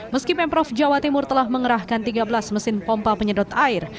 meski pemprov jawa timur telah mengerahkan tiga belas mesin pompa penyedot air